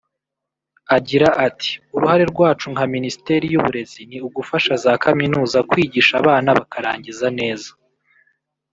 Agira ati “Uruhare rwacu nka Minisiteri y’Uburezi ni ugufasha za Kaminuza kwigisha abana bakarangiza neza